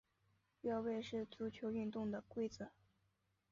越位是足球运动的规则。